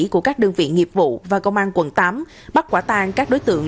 của các đơn vị nghiệp vụ và công an quận tám bắt quả tan các đối tượng